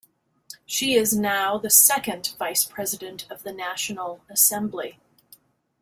She is now the second vice president of the National Assembly.